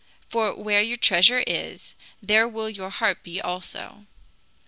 For where your treasure is, there will your heart be also."